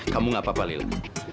kamu enggak apa apa lila